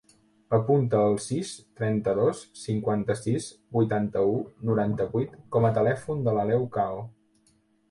Apunta el sis, trenta-dos, cinquanta-sis, vuitanta-u, noranta-vuit com a telèfon de l'Aleu Cao.